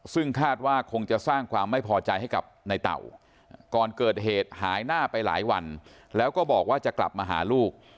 ซึ่งคาดว่าคงจะสร้างความไม่พอใจให้กับในเต่าก่อนเกิดเหตุหายหน้าไปหลายวันแล้วก็บอกว่าจะกลับมาหาลูก